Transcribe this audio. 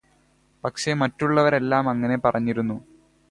പക്ഷെ മറ്റുള്ളവരെല്ലാം അങ്ങനെ പറഞ്ഞിരുന്നു